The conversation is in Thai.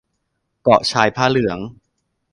เกาะชายผ้าเหลือง